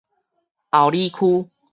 后里區